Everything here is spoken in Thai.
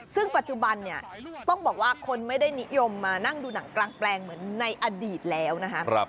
ซึ่งปัจจุบันเนี่ยต้องบอกว่าคนไม่ได้นิยมมานั่งดูหนังกลางแปลงเหมือนในอดีตแล้วนะคะ